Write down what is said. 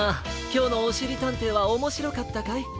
きょうの「おしりたんてい」はおもしろかったかい？